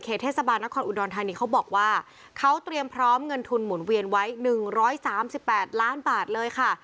เขาบอกว่าเขาเตรียมพร้อมเงินทุนหมุนเวียนไว้หนึ่งร้อยสามสิบแปดล้านบาทเลยค่ะ